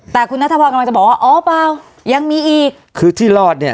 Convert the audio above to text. แต่คุณนัทพรกำลังจะบอกว่าอ๋อเปล่ายังมีอีกคือที่รอดเนี่ย